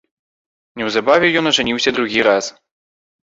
Неўзабаве ён ажаніўся другі раз.